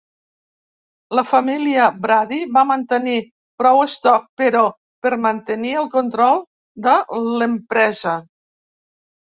La família Brady va mantenir prou estoc, però, per mantenir el control de l'empresa.